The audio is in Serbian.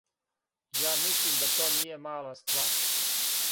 Ја мислим да то није мала ствар.